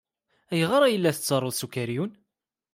Ayɣer ay la tettaruḍ s ukeryun?